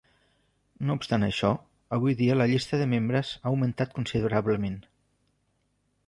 No obstant això, avui dia la llista de membres ha augmentat considerablement.